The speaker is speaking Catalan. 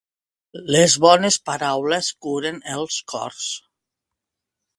Les bones paraules curen els cors.